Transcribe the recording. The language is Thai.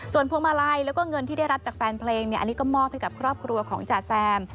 ส่วนพวงมาลัยแล้วก็เงินที่ได้รับจากแฟนเพลงอันนี้ก็มอบให้กับครอบครัวของจ๋าแซม